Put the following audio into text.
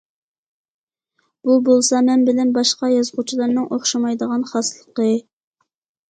بۇ بولسا مەن بىلەن باشقا يازغۇچىلارنىڭ ئوخشاشمايدىغان خاسلىقى.